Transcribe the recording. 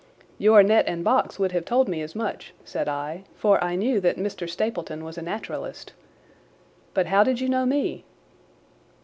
"Your net and box would have told me as much," said I, "for I knew that Mr. Stapleton was a naturalist. But how did you know me?"